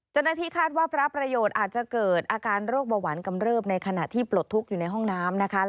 เจ้าหน้าที่คาดว่าพระประโยชน์อาจจะเกิดอาการโรคเบาหวานกำเริบในขณะที่ปลดทุกข์อยู่ในห้องน้ำนะคะ